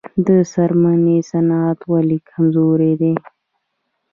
د څرمنې صنعت ولې کمزوری دی؟